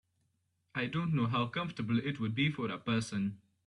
I don’t know how comfortable it would be for a person.